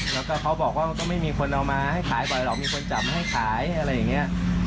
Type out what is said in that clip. แล้วก็เขาบอกว่าก็ไม่มีคนเอามาให้ขายบ่อยหรอกมีคนจับมาให้ขายอะไรอย่างนี้